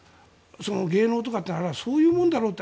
芸能っていうのはそういうものだろうと。